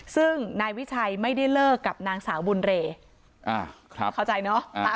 ซึ่งนายวิชัยไม่ได้เลิกกับนางสาวบุญเรอ่าเข้าใจเนอะ